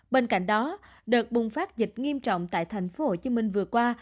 bên cạnh đó đợt bùng phát dịch nghiêm trọng tại tp hcm vừa qua